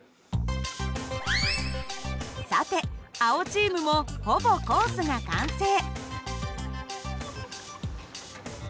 さて青チームもほぼコースが完成。